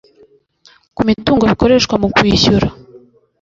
ku mitungo bikoreshwa mu kwishyura